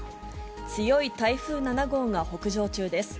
強い台風７号が北上中です。